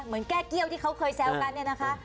แก้เกี้ยวที่เขาเคยแซวกันเนี่ยนะคะ